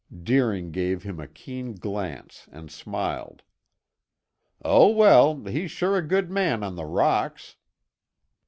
Deering gave him a keen glance and smiled. "Oh, well; he's sure a good man on the rocks."